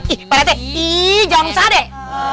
ih pak rente ih jangan usah deh